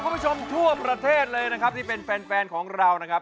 คุณผู้ชมทั่วประเทศเลยนะครับที่เป็นแฟนแฟนของเรานะครับ